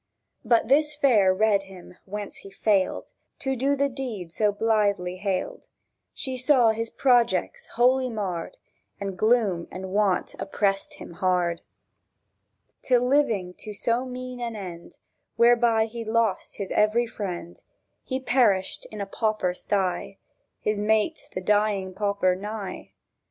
But this Fair read him; whence he failed To do the deed so blithely hailed; He saw his projects wholly marred, And gloom and want oppressed him hard; Till, living to so mean an end, Whereby he'd lost his every friend, He perished in a pauper sty, His mate the dying pauper nigh.